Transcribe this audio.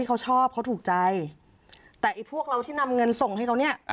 เขาชอบเขาถูกใจแต่ไอ้พวกเราที่นำเงินส่งให้เขาเนี่ย